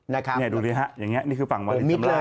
นี่ดูนี่ฮะอย่างนี้นี่คือฝั่งวันนี้สำหรับ